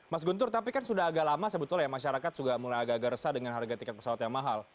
mas guntur tapi kan sudah agak lama sebetulnya masyarakat sudah mulai agak agak resah dengan harga tiket pesawat yang mahal